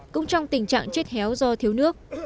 cũng trong tình trạng chết héo do thiếu nước